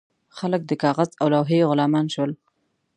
خلک د کاغذ او لوحې غلامان شول.